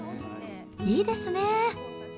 いいですね。